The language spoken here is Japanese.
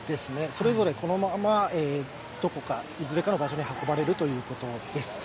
それぞれこのままどこか、いずれかの場所に運ばれるということです。